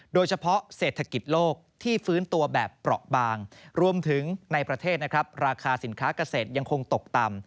โดยเฉพาะเศรษฐกิจโลกที่ฟื้นตัวแบบเปราะบางรวมถึงในประเทศนะครับราคาสินค้าเกษตรยังคงตกต่ำ